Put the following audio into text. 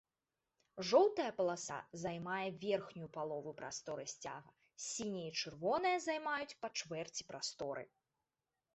Жоўтая паласа займае верхнюю палову прасторы сцяга, сіняя і чырвоная займаюць па чвэрці прасторы.